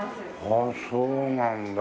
ああそうなんだ。